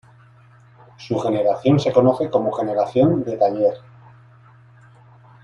Su generación se conoce como Generación de Taller.